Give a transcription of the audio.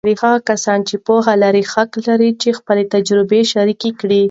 هغه کس چې پوهه لري، حق لري چې خپله تجربې شریکې کړي.